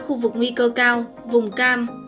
khu vực nguy cơ cao vùng cam